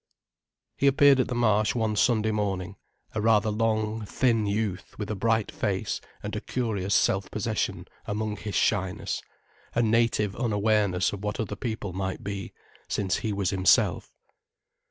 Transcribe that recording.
He appeared at the Marsh one Sunday morning: a rather long, thin youth with a bright face and a curious self possession among his shyness, a native unawareness of what other people might be, since he was himself.